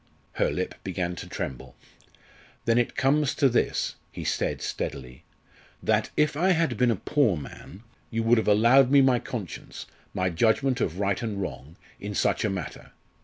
Her lip began to tremble. "Then it comes to this," he said steadily, "that if I had been a poor man, you would have allowed me my conscience my judgment of right and wrong in such a matter.